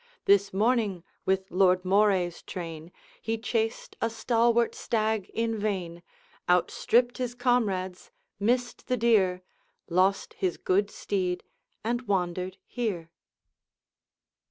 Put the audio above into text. This morning with Lord Moray's train He chased a stalwart stag in vain, Outstripped his comrades, missed the deer, Lost his good steed, and wandered here.'